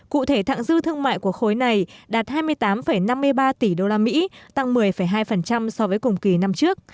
cụ thể thạng dư thương mại của khối này đạt hai mươi tám năm mươi ba tỷ đô la mỹ tăng một mươi hai so với cùng kỳ năm trước